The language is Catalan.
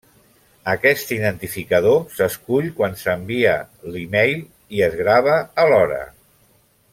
Aquest identificador s'escull quan s'envia l'e-mail i es grava alhora.